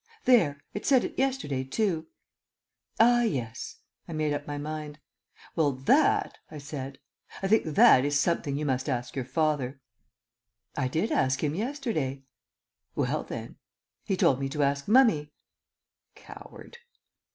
"There. It said it yesterday too." "Ah, yes." I made up my mind. "Well, that," I said "I think that is something you must ask your father." "I did ask him yesterday." "Well, then " "He told me to ask Mummy." Coward!